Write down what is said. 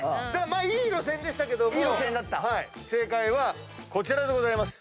まあいい路線でしたけども正解はこちらでございます。